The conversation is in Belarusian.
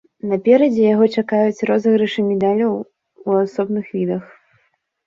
Наперадзе яго яшчэ чакаюць розыгрышы медалёў у асобных відах.